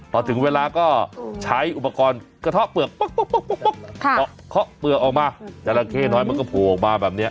ต่อถึงเวลาก็ใช้อุปกรณ์กระทะเปลือกปกปกปกปกปกปอกเขาะเปลือกออกมาจาระเข้น้อยมันก็ผ่วงมาแบบเนี่ย